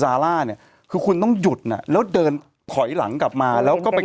ซาร่าเนี่ยคือคุณต้องหยุดน่ะแล้วเดินถอยหลังกลับมาแล้วก็ไป